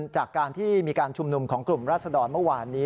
จากการที่มีการชุมนุมของกลุ่มราศดรเมื่อวานนี้